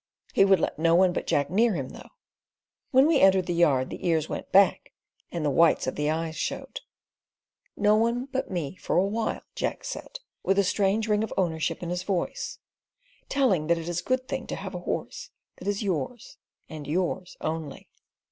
He would let no one but Jack near him, though. When we entered the yard the ears went back and the whites of the eyes showed. "No one but me for a while," Jack said, with a strange ring of ownership in his voice, telling that it is a good thing to have a horse that is yours, and yours only.